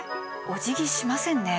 おじぎしませんね。